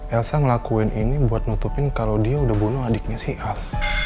elsa ngelakuin ini buat nutupin kalau dia udah bunuh adiknya si a